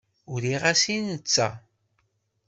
Uriɣ-as-t i netta.